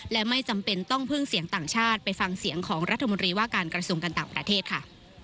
และไม่จำเป็นต้องพึ่งเสียงต่างชาติไปฟังเสียงของรัฐมนตรีว่าการกระทรวงการต่างประเทศค่ะ